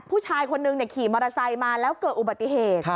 ผู้ชายคนนึงขี่มอเตอร์ไซค์มาแล้วเกิดอุบัติเหตุ